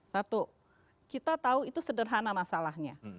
satu kita tahu itu sederhana masalahnya